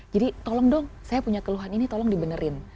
jadi tolong dong saya punya keluhan ini tolong dibenerin